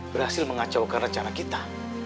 berhasil mengacaukan rencana kita